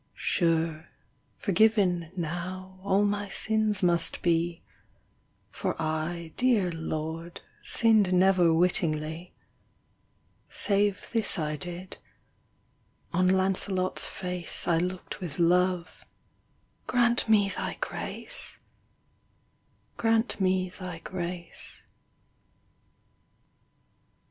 — Sure, forgiven Now all my sins must be; for I Dear Lord, sinned never wittingly, — Save this I did — on Lancelot's face I looked with love, Grant me thy g ( riant me thy grace.